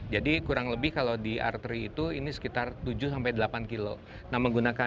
jadi kurang lebih kalau di arteri itu ini sekitar tujuh delapan km